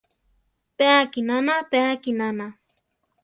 Pe akinana, pe akinana!